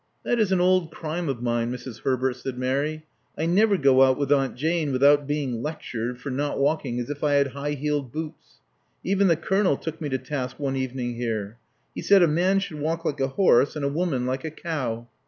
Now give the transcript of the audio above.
" That is an old crime of mine, Mrs. Herbert," said Mary. I never go out with Aunt Jane without being lectured for not walking as if I had high heeled boots. Even the Colonel took me too task one evening here^ He said a man should walk like a horse, and a woman like a cow.